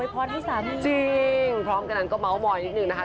พรให้สามีนะครับจริงพร้อมทั้งนั้นก็เมาต์หมอยนิดหนึ่งนะคะ